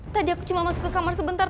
tadi aku cuma masuk ke kamar sebentar